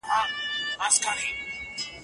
تاند ویبپاڼې دا تاریخي لیکنه خپره کړې ده.